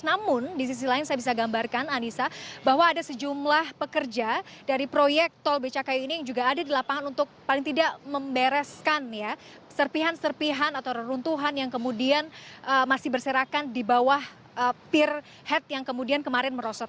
namun di sisi lain saya bisa gambarkan anissa bahwa ada sejumlah pekerja dari proyek tol becakayu ini yang juga ada di lapangan untuk paling tidak membereskan ya serpihan serpihan atau reruntuhan yang kemudian masih berserakan di bawah pir head yang kemudian kemarin merosot